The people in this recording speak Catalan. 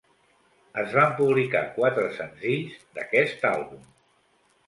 Es van publicar quatre senzills d'aquest àlbum.